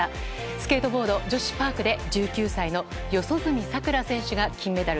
スケートボード女子パークで１９歳の四十住さくら選手が金メダル。